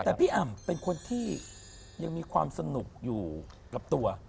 แต่พี่อ่ำเป็นคนที่ยังมีความสนุกอยู่กับตัว